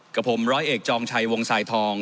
กับผมร้อยเอกจองชัยวงสายทอง